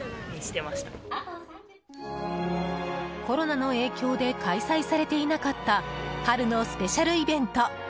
コロナの影響で開催されていなかった春のスペシャルイベント